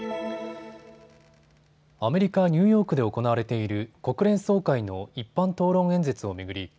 アメリカ・ニューヨークで行われている国連総会の一般討論演説を巡り